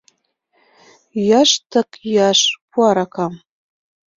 Йӱаш тык йӱаш — пу аракам!